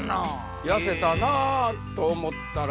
やせたなと思ったら